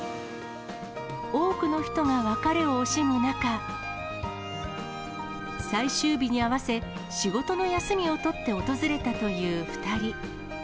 多くの人が別れを惜しむ中、最終日に合わせ、仕事の休みを取って訪れたという２人。